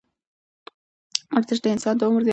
ورزش د انسان د عمر په زیاتولو کې مرسته کوي.